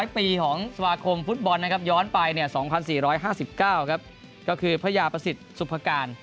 ๐ปีของสมาคมฟุตบอลนะครับย้อนไป๒๔๕๙ครับก็คือพระยาประสิทธิ์สุภาการ